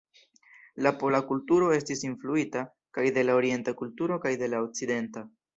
La pola kulturo estis influita kaj de la orienta kulturo kaj de la okcidenta.